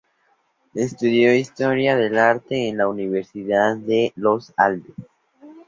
Estudió Historia del Arte en la Universidad de Los Andes.